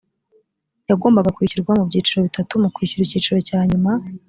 yagombaga kwishyurwa mu byiciro bitatu mu kwishyura icyiciro cya nyuma